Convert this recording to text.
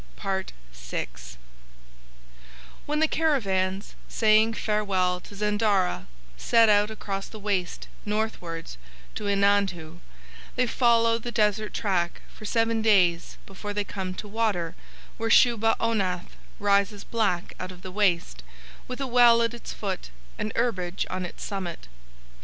VI When the caravans, saying farewell to Zandara, set out across the waste northwards towards Einandhu, they follow the desert track for seven days before they come to water where Shubah Onath rises black out of the waste, with a well at its foot and herbage on its summit.